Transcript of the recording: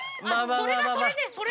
それがそれね！